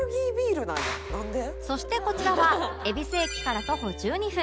そしてこちらは恵比寿駅から徒歩１２分